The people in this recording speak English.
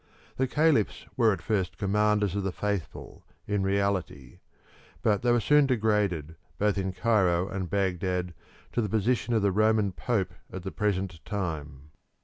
The caliphs were at first Commanders of the Faithful in reality, but they were soon degraded both in Cairo and Baghdad to the position of the Roman Pope at the present time.